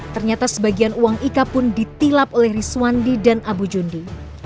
ternyata sebagian uang ika pun ditilap oleh rizwandi dan abu jundi